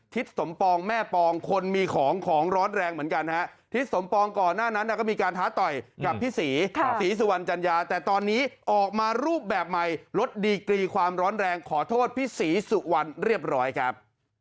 ทิศสมปองแม่ปองคนมีของของร้อนแรงเหมือนกันฮะทิศสมปองก่อนหน้านั้นก็มีการท้าต่อยกับพี่ศรีศรีสุวรรณจัญญาแต่ตอนนี้ออกมารูปแบบใหม่ลดดีกรีความร้อนแรงขอโทษพี่ศรีสุวรรณเรียบร้อยครับ